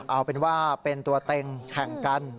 เอาเป็นว่าเป็นตัวเต็งแข่งกัน